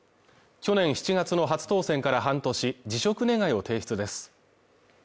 去年７月の初当選から半年辞職願を提出です